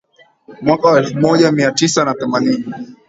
Mwaka wa elfu moja mia tisa na themanini